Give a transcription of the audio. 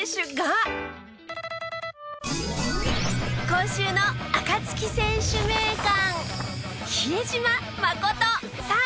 今週のアカツキ選手名鑑！